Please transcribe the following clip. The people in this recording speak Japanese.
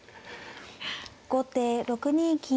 後手６二金。